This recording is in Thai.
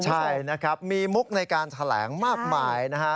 ใช่นะครับมีมุกในการแถลงมากมายนะฮะ